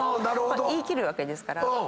言い切るわけですから。